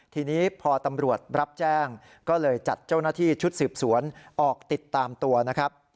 ทีนี้พอตำรวจรับแจ้งก็เลยจัดเจ้าหน้าที่ชุดสืบสวนออกติดตามตัวนะครับ